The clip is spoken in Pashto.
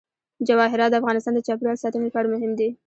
جواهرات د افغانستان د چاپیریال ساتنې لپاره مهم دي.